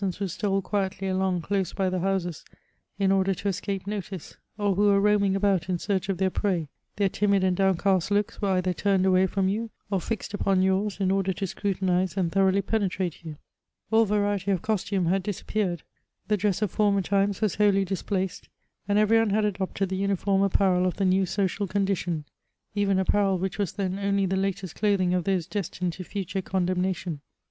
who stole quietly along close by the houses, in order to escape notice, or who were roaming about in search of their prey : their timid and downcast looks were either turned away, from you, or fixed upon yours in order to scrutinise and thoroughly penetrate All variety of costume had disappeared ; the dress "of former times was wholly displaced, and every one had adopted theimi form apparel of the new social condition — even apparel which was then only the latest clothing of those destined to "future condemnation.